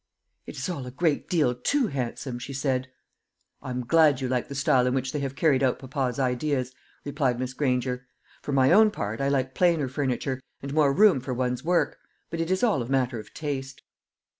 "It is all a great deal too handsome," she said. "I am glad you like the style in which they have carried out papa's ideas," replied Miss Granger; "for my own part, I like plainer furniture, and more room for one's work; but it is all a matter of taste."